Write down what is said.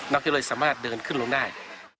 ที่เลยสามารถเดินขึ้นลงได้